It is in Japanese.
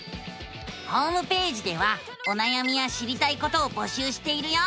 ホームページではおなやみや知りたいことを募集しているよ！